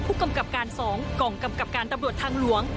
ผู้กำกับการ๒กองกำกับการตำรวจทางหลวง